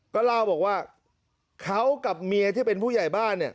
ก็เล่าบอกว่าเขากับเมียที่เป็นผู้ใหญ่บ้านเนี่ย